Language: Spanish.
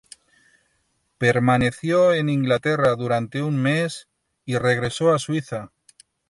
Permaneció en Inglaterra durante un mes y regresó a Suiza.